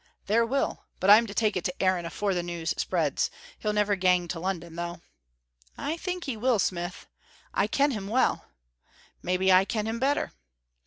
"There will. But I'm to take it to Aaron afore the news spreads. He'll never gang to London though." "I think he will, smith." "I ken him well." "Maybe I ken him better."